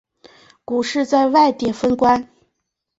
股市在万点封关